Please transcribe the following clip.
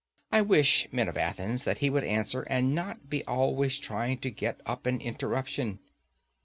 I wish, men of Athens, that he would answer, and not be always trying to get up an interruption.